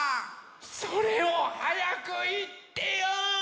それをはやくいってよ！